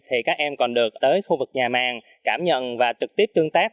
thì các em còn được tới khu vực nhà màng cảm nhận và trực tiếp tương tác